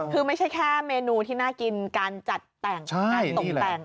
คือไม่ใช่แค่เมนูที่น่ากินการจัดแต่งการตกแต่ง